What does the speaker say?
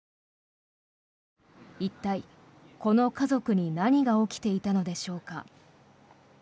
一体、この家族に何が起きていたのでしょうか。